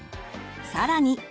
更に。